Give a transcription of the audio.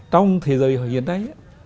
trong thế giới hiện nay